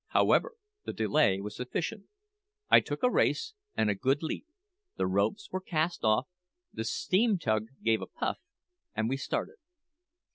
However, the delay was sufficient. I took a race and a good leap; the ropes were cast off; the steam tug gave a puff, and we started.